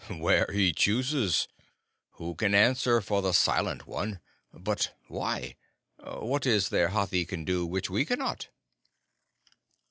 "Where he chooses. Who can answer for the Silent One? But why? What is there Hathi can do which we cannot?"